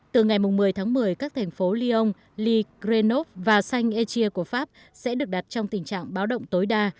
từ ngày một mươi tháng một mươi các thành phố lyon lyc grenoble và saint etienne của pháp sẽ được đặt trong tình trạng báo động tối đa